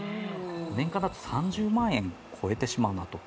年間だと３０万円を超えてしまうんだと。